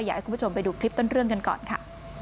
อยากให้คุณผู้ชมไปดูคลิปต้นเรื่องกันก่อนค่ะ